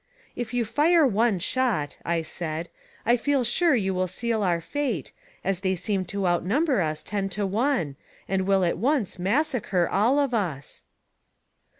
" If you fire one shot/' I said, " I feel sure you will seal our fate, as they seem to outnumber us ten to one, and will at once massacre all of us."